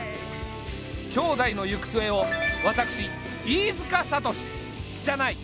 兄妹の行く末を私飯塚悟志じゃない。